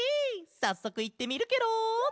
さっそくいってみるケロ。